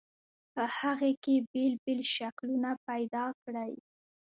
په هغې کې بېل بېل شکلونه پیدا کړئ.